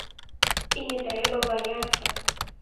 І не трэба баяцца!